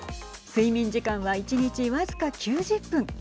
睡眠時間は１日僅か９０分。